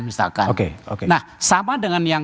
misalkan oke nah sama dengan